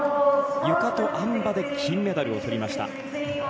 ゆかと、あん馬で金メダルをとりました。